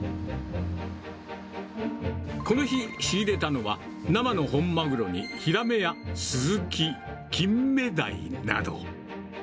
この日、仕入れたのは、生の本マグロに、ヒラメやスズキ、キンメダイなど。